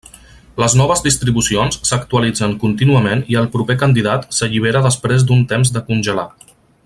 Les noves distribucions s'actualitzen contínuament i el proper candidat s'allibera després d'un temps de congelar.